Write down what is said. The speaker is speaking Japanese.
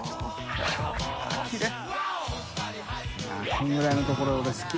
このぐらいのところ俺好き。